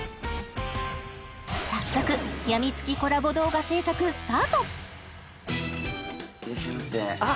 早速やみつきコラボ動画制作スタートいらっしゃいませあ